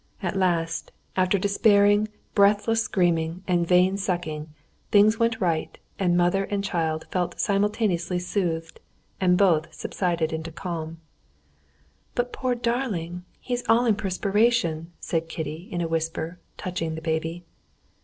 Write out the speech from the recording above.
At last, after despairing, breathless screaming, and vain sucking, things went right, and mother and child felt simultaneously soothed, and both subsided into calm. "But poor darling, he's all in perspiration!" said Kitty in a whisper, touching the baby.